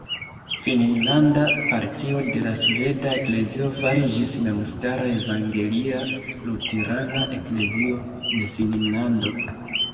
La finnlanda parto de la sveda eklezio fariĝis memstara Evangelia-Luterana Eklezio de Finnlando.